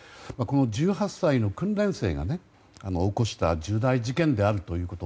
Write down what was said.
１８歳の訓練生が起こした重大事件であるということ。